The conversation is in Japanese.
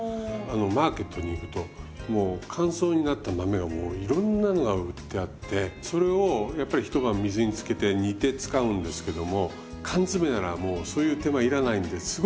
マーケットに行くと乾燥になった豆がもういろんなのが売ってあってそれをやっぱり一晩水につけて煮て使うんですけども缶詰ならもうそういう手間要らないんですごく人気ですよね